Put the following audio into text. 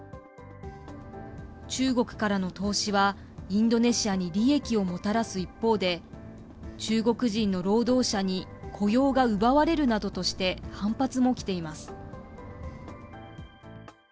中国からの投資は、インドネシアに利益をもたらす一方で、中国人の労働者に雇用が奪われるなどとして、反発も起きています。